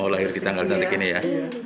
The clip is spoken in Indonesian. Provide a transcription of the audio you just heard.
mau lahir di tanggal cantik ini ya